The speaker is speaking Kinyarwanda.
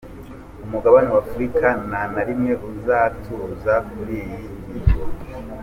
Umugabane wa Afurika nta na rimwe uzatuza kuri iyi ngingo.